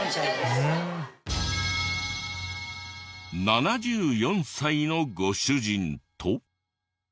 ７４歳のご主人と。